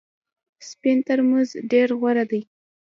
سپین ترموز ډېر غوره دی .